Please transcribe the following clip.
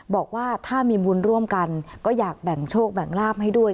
บอกว่าถ้ามีบุญร่วมกันก็อยากแบ่งโชคแบ่งลาบให้ด้วย